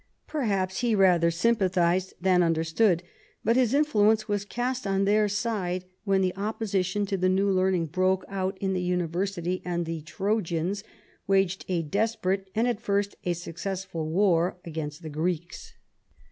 Perhaps he rather sympathised than under stood ; but his influence was cast on their side when the opposition to the new learning broke out in the Univer sity and the Trojans waged a desperate and at first a successful war against the Greeks.